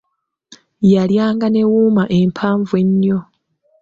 Yalya nga ne wuma empanvu ennyo.